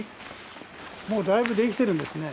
もうだいぶできてるんですね。